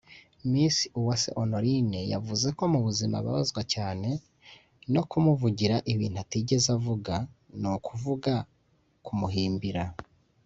Miss Uwase Honorine yavuze ko mu buzima ababazwa cyane no kumuvugira ibintu atigeze avuga ni ukuvuga kumuhimbira